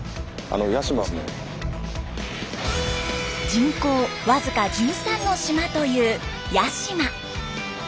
人口僅か１３の島という八島。